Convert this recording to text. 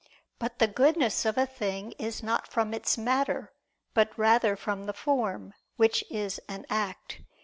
But the goodness of a thing is not from its matter, but rather from the form, which is an act.